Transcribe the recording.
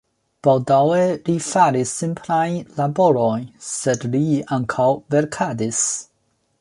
Baldaŭe li faris simplajn laborojn, sed li ankaŭ verkadis.